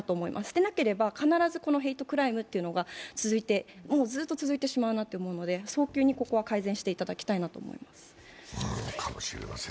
でなければ、必ずヘイトクライムがもうずっと続いてしまうなと思うので早急にここは改善していただきたいなと思います。